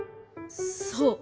そう。